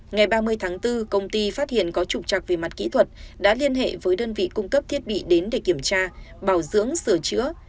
ngày ba mươi tháng bốn công ty phát hiện có trục trặc về mặt kỹ thuật đã liên hệ với đơn vị cung cấp thiết bị đến để kiểm tra bảo dưỡng sửa chữa